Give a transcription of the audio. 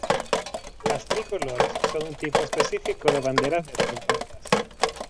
Las tricolores son un tipo específico de banderas de tres bandas.